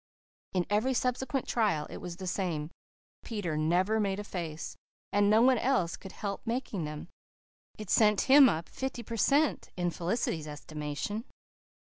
In every subsequent trial it was the same. Peter never made a face, and no one else could help making them. It sent him up fifty per cent in Felicity's estimation.